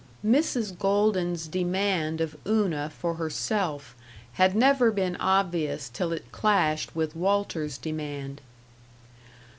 § 3 Mrs. Golden's demand of Una for herself had never been obvious till it clashed with Walter's demand.